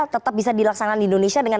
tetap bisa dilaksanakan di indonesia dengan